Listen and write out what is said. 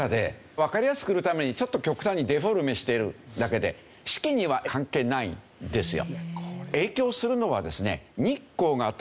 わかりやすくするためにちょっと極端にデフォルメしているだけで四季には関係ないんですよ。